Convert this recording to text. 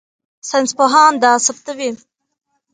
ساینسپوهان دا ثبتوي.